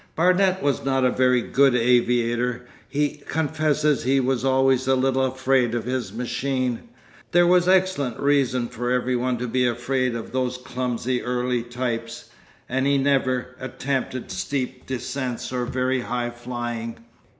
Barnet was not a very good aviator, he confesses he was always a little afraid of his machine—there was excellent reason for every one to be afraid of those clumsy early types—and he never attempted steep descents or very high flying.